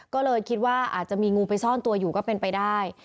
ก็เลยคิดว่าอาจจะมีงูไปซ่อนตัวอยู่ก็เป็นไปได้